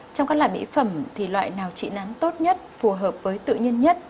trong các loại mỹ phẩm thì loại nào trị náng tốt nhất phù hợp với tự nhiên nhất